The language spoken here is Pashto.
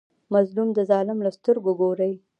مظلوم د ظالم له سترګو ګوري.